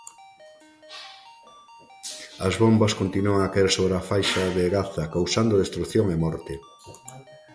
As bombas continuan a caer sobra a faixa de Gaza causando destrución e morte